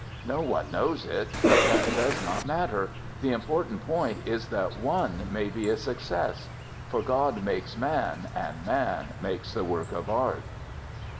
No one knows it, but that does not matter; the important point is that one may be a success. For God makes man, and man makes the work of art.'